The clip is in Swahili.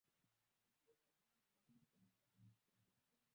Jackson alikufariki mnamo tarehe ishirini na tano